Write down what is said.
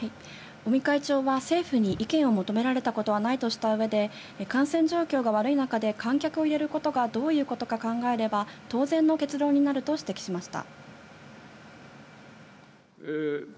尾身会長は政府に意見を求められたことはないとした上で、感染状況が悪い中で観客を入れることがどういうことか考えれば当然の結論になると指摘しました。